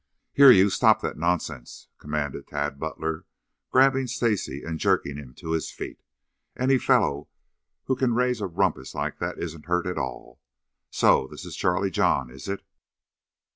"Here you, stop that nonsense!" commanded Tad Butler, grabbing Stacy and jerking him to his feet. "Any fellow who can raise a rumpus like that isn't hurt at all. So this is Charlie John, is it?"